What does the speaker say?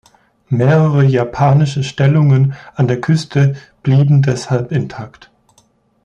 Mehrere japanische Stellungen an der Küste blieben deshalb intakt.